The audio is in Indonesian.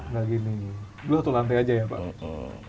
nggak gini dulu satu lantai aja ya pak